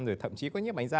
rồi thậm chí có những bánh da